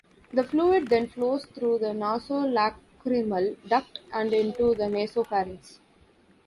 The fluid then flows through the nasolacrimal duct and into the nasopharynx.